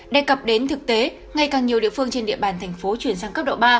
đề cập đến thực tế ngày càng nhiều địa phương trên địa bàn thành phố chuyển sang cấp độ ba